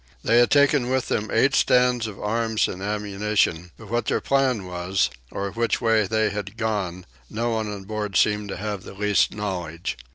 They had taken with them eight stand of arms and ammunition; but what their plan was, or which way they had gone, no one on board seemed to have the least knowledge.